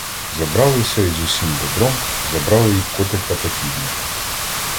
Забралися й з усім добром, забрали й котика та півника.